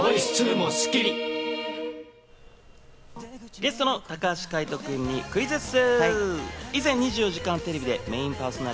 ゲストの高橋海人君にクイズッス！